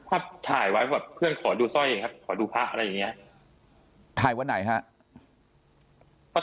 ล่ะถ่ายไว้เพื่อนขอดูสะอยเองครับขอดูพระราบไปไหนครับ